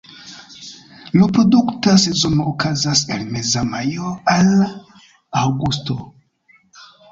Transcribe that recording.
Reprodukta sezono okazas el meza majo al aŭgusto.